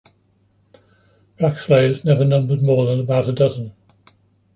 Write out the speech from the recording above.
Black slaves never numbered more than about a dozen.